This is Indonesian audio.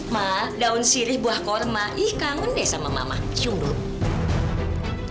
mak daun sirih buah korma ih kangen deh sama mama cium dulu